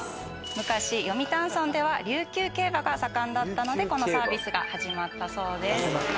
昔読谷村では琉球競馬が盛んだったのでこのサービスが始まったそうです。